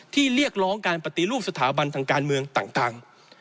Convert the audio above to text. เรียกร้องการปฏิรูปสถาบันทางการเมืองต่าง